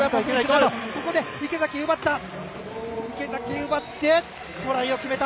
ここで池崎、奪った。